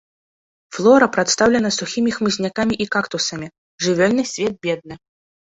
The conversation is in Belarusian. Флора прадстаўлена сухімі хмызнякамі і кактусамі, жывёльны свет бедны.